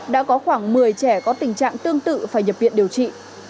đã có khoảng một mươi trẻ có tình trạng tương tự phải nhập viện điều trị